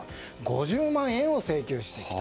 ５０万円を請求していた。